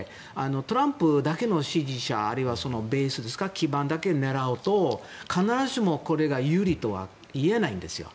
トランプだけの支持者あるいはベース、基盤だけ狙うと必ずしも、これが有利とはいえないんですよ。